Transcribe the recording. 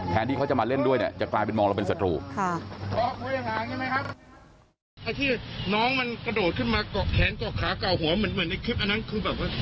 แทนที่เขาจะมาเล่นด้วยจะกลายเป็นมองเราเป็นสตรู